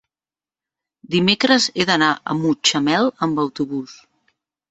Dimecres he d'anar a Mutxamel amb autobús.